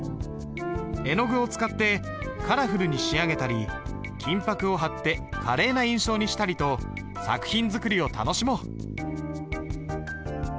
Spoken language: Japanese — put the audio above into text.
絵の具を使ってカラフルに仕上げたり金箔を貼って華麗な印象にしたりと作品作りを楽しもう。